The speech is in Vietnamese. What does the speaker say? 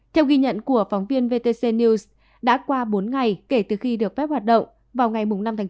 theo ghi nhận của phóng viên vtc news đã qua bốn ngày kể từ khi được phép hoạt động vào ngày năm tháng bốn